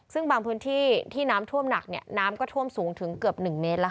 ซึ่งบางพื้นที่ที่น้ำท่วมหนักน้ำก็ท่วมสูงถึงเกือบ๑เมตรแล้ว